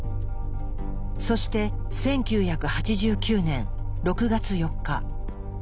そして１９８９年６月４日。